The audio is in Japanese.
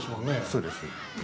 そうです。